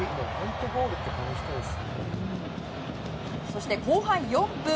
そして後半４分。